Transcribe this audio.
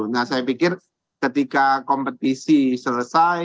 nah saya pikir ketika kompetisi selesai